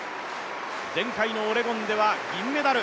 前回のオレゴンでは銀メダル。